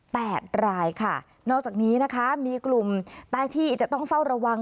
แปดรายค่ะนอกจากนี้นะคะมีกลุ่มใต้ที่จะต้องเฝ้าระวัง